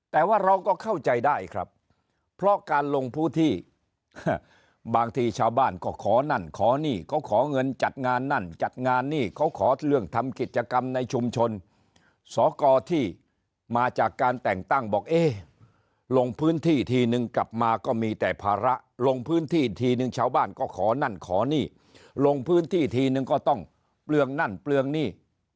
แต่ว่าเราก็เข้าใจได้ครับเพราะการลงพื้นที่บางทีชาวบ้านก็ขอนั่นขอนี่เขาขอเงินจัดงานนั่นจัดงานนี่เขาขอเรื่องทำกิจกรรมในชุมชนสกที่มาจากการแต่งตั้งบอกเอ๊ะลงพื้นที่ทีนึงกลับมาก็มีแต่ภาระลงพื้นที่ทีนึงชาวบ้านก็ขอนั่นขอนี่ลงพื้นที่ทีนึงก็ต้องเปลืองนั่นเปลืองหนี้